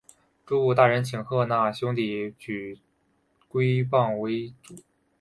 诸部大人请贺讷兄弟举拓跋圭为主。